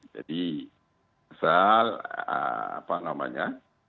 jadi misal apa namanya